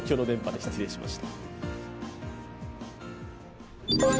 失礼しました。